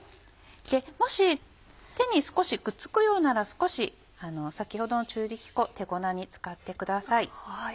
もし手に少しくっつくようなら少し先ほどの中力粉手粉に使ってください。